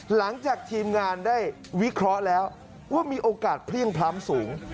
หลังจากทีมงานได้วิเคราะห์แล้วว่ามีโอกาสเพลี่ยงพล้ำสูง